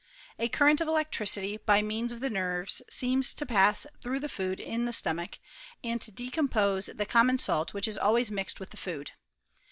A current of electricity, by means of the nerves, seems to pass through the food in the stomach, and to de compose the common salt which is always mixed with the food.